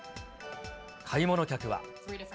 買い物客は。